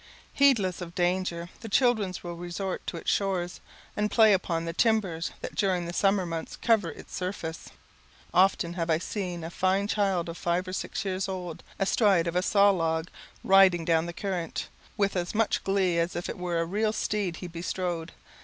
Heedless of danger, the children will resort to its shores, and play upon the timbers that during the summer months cover its surface. Often have I seen a fine child of five or six years old, astride of a saw log, riding down the current, with as much glee as if it were a real steed he bestrode.